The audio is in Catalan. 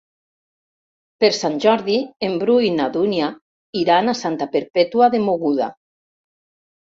Per Sant Jordi en Bru i na Dúnia iran a Santa Perpètua de Mogoda.